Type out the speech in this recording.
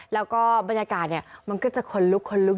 แล้วก็บรรยากาศนี่มันก็จะคนลุกนิดนึง